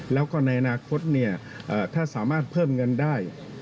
แล้วก็ในอนาคตถ้าสามารถเพิ่มเงินได้